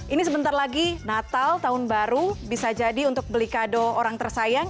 ini sebentar lagi natal tahun baru bisa jadi untuk beli kado orang tersayang